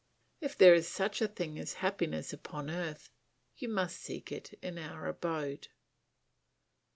If there is such a thing as happiness upon earth, you must seek it in our abode.